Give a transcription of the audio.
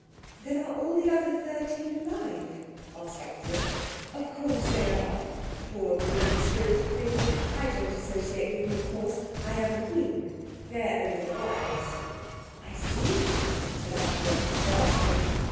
"Then are all the other thirteen alive?" asked Anthea. "Of course they are—poor mean spirited things! I don't associate with them, of course, I am the Queen: they're only the wives." "I see," said Anthea, gasping.